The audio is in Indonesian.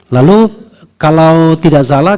lalu kalau tidak salah